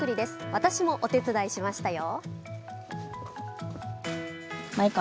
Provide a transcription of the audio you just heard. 私もお手伝いしましたよ。